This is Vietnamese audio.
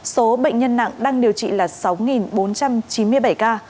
số bệnh nhân nặng đang điều trị là sáu bốn trăm chín mươi bảy ca